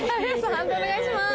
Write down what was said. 判定お願いします。